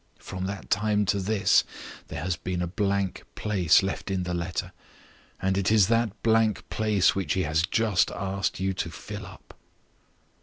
From that time to this there has been a blank place left in the letter; and it is that blank place which he has just asked you to fill up.